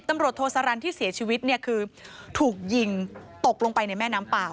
ตำรวจโทษสารันที่เสียชีวิตเนี่ยคือถูกยิงตกลงไปในแม่น้ำเปล่า